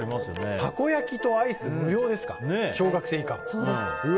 たこ焼きとアイス無料ですか小学生以下。